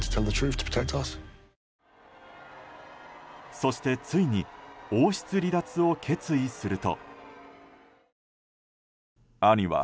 そして、ついに王室離脱を決意すると。